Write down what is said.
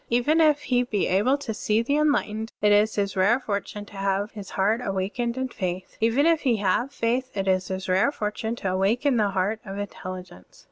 Even if he be able to see the enlightened, it is his rare fortune to have his heart awakened in faith. Even if he have faith, it is his rare fortune to awaken the heart of intelligence.